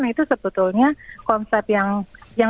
itu sebetulnya konsep yang